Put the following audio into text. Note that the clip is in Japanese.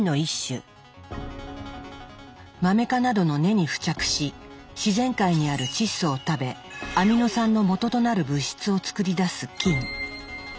マメ科などの根に付着し自然界にある窒素を食べアミノ酸のもととなる物質を作り出す菌。